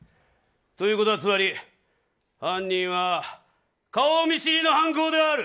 ということは、つまり犯人は顔見知りの犯行である。